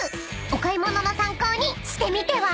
［お買い物の参考にしてみては？］